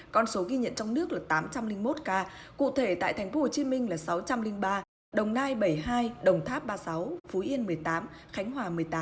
con số ghi nhận trong nước là tám trăm linh một ca cụ thể tại tp hcm là sáu trăm linh ba đồng nai bảy mươi hai đồng tháp ba mươi sáu phú yên một mươi tám khánh hòa một mươi tám